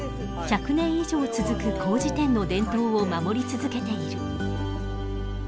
１００年以上続く麹店の伝統を守り続けている。